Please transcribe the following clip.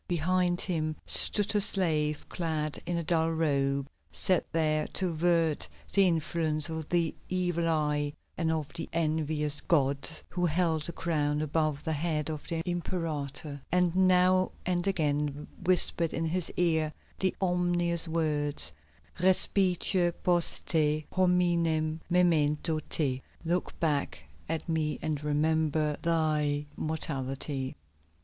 Behind him stood a slave clad in a dull robe, set there to avert the influence of the evil eye and of the envious gods, who held a crown above the head of the Imperator, and now and again whispered in his ear the ominous words, Respice post te, hominem memento te ("Look back at me and remember thy mortality.")